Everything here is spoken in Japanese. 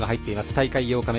大会８日目。